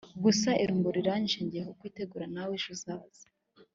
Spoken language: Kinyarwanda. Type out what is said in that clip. gusa irungu riranyishe ngiye kukwitegura nawe ejo uzaze,